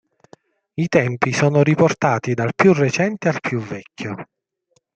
I tempi sono riportati dal più recente al più vecchio.